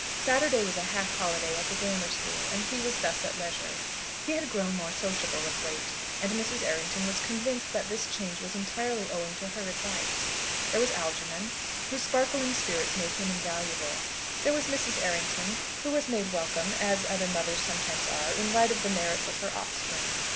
Saturday was a half holiday at the Grammar School, and he was thus at leisure. He had grown more sociable of late, and Mrs. Errington was convinced that this change was entirely owing to her advice. There was Algernon, whose sparkling spirits made him invaluable. There was Mrs. Errington, who was made welcome, as other mothers sometimes are, in right of the merits of her offspring.